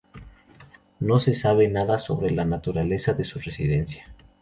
No se sabe nada sobre la naturaleza de su residencia.